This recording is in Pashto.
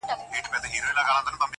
اوس و تاسو ته زامنو انتظار یو-